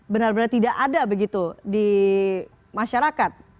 benar benar tidak ada begitu di masyarakat